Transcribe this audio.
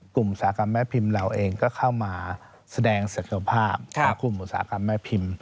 อุตสาหกรรมแม่พิมพ์เราเองก็เข้ามาแสดงศักยภาพของกลุ่มอุตสาหกรรมแม่พิมพ์